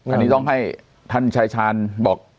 อันนี้ต้องให้ท่านชายชาญบอก